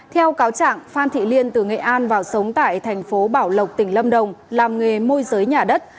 theo cáo trạng phan thị liên từ nghệ an vào sống tại thành phố bảo lộc tỉnh lâm đồng làm nghề môi giới nhà đất